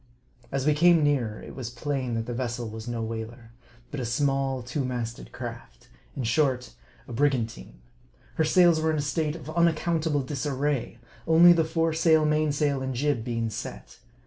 As we came nearer, it was plain that the vessel was no whaler ; but a small, two magted craft ; in short, a brigan tine. Her sails were in a state of unaccountable disarray ; only the foresail, mainsail, and jib being set.